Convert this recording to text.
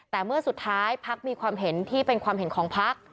แต่เมื่อสุดท้ายพักมีความเห็นที่เป็นความเห็นของพัก